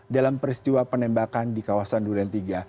dalam peristiwa penembakan di kawasan duren tiga